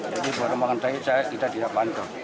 jadi baru makan tadi kita tidak pantau